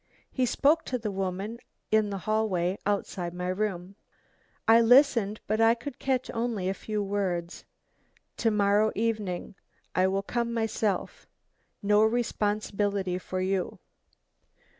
He spoke to the woman in the hall outside my room. I listened, but I could catch only a few words. 'To morrow evening I will come myself no responsibility for you.